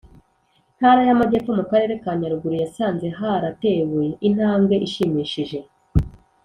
Ntara y Amajyepfo mu Karere ka Nyaruguru yasanze haratewe intambwe ishimishije